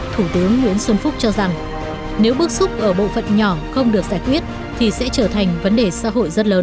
thủ tướng nguyễn xuân phúc cho rằng nếu bước xúc ở bộ phận nhỏ không được giải quyết thì sẽ trở thành vấn đề xã hội rất lớn